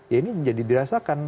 ya ini jadi dirasakan